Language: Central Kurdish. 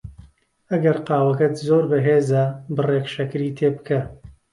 ئەگەر قاوەکەت زۆر بەهێزە، بڕێک شەکری تێ بکە.